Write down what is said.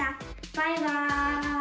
バイバイ。